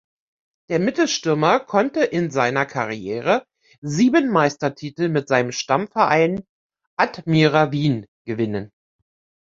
Der Mittelstürmer konnte in seiner Karriere sieben Meistertitel mit seinem Stammverein Admira Wien gewinnen.